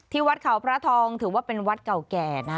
วัดเขาพระทองถือว่าเป็นวัดเก่าแก่นะ